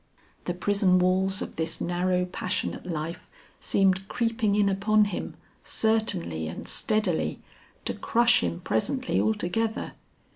The prison walls of this narrow passionate life seemed creeping in upon him, certainly and steadily, to crush him presently altogether.